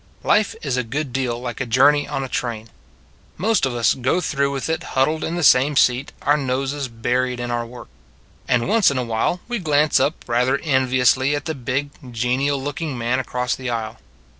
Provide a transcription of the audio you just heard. Life is a good deal like a journey on a train. Most of us go through with it huddled in the same seat, our noses buried in our work. And once in a while we glance up rather enviously at the big, genial looking man across the aisle.